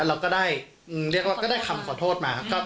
เราก็ได้คำขอโทษมา